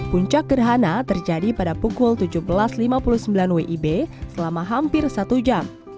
puncak gerhana terjadi pada pukul tujuh belas lima puluh sembilan wib selama hampir satu jam